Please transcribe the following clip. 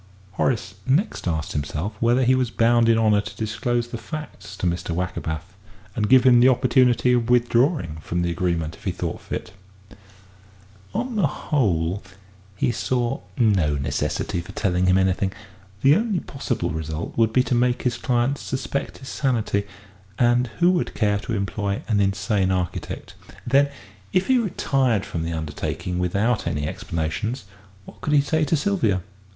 Horace next asked himself whether he was bound in honour to disclose the facts to Mr. Wackerbath, and give him the opportunity of withdrawing from the agreement if he thought fit. On the whole, he saw no necessity for telling him anything; the only possible result would be to make his client suspect his sanity; and who would care to employ an insane architect? Then, if he retired from the undertaking without any explanations, what could he say to Sylvia?